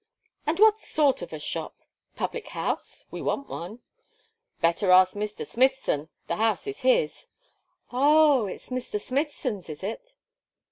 And what sort of a shop public house? We want one." "Better ask Mr. Smithson; the house is his." "Oh! it's Mr. Smithson's, is it?"